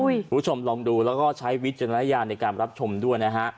คุณผู้ชมลองดูแล้วก็ใช้วิจารณญาณในการรับชมด้วยนะฮะ